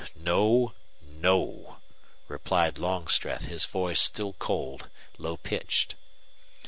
"No. No," replied Longstreth, his voice still cold, low pitched.